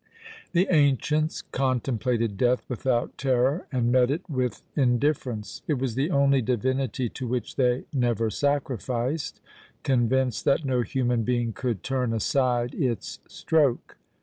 The ancients contemplated DEATH without terror, and met it with indifference. It was the only divinity to which they never sacrificed, convinced that no human being could turn aside its stroke.